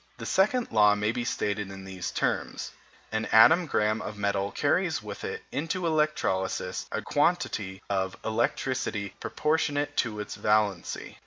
The second law may be stated in these terms: an atom gramme of metal carries with it into electrolysis a quantity of electricity proportionate to its valency.